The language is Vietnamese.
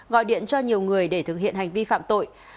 gọi điện cho nhiều người để thực hiện hành vi phạm tội